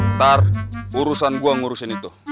ntar urusan gue ngurusin itu